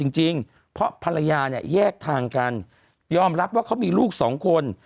จริงเพราะภรรยาเนี่ยแยกทางกันยอมรับว่าเขามีลูกสองคน